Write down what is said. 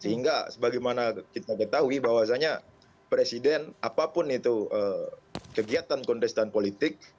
sehingga sebagaimana kita ketahui bahwasannya presiden apapun itu kegiatan kontestan politik